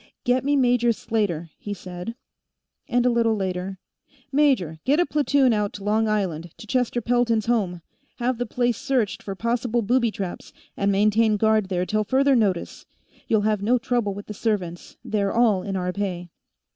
"Get me Major Slater," he said; and, a little later, "Major, get a platoon out to Long Island, to Chester Pelton's home; have the place searched for possible booby traps, and maintain guard there till further notice. You'll have no trouble with the servants, they're all in our pay.